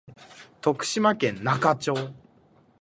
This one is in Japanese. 徳島県那賀町